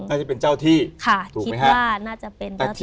น่าจะเป็นเจ้าที่ค่ะคิดว่าน่าจะเป็นเจ้าที่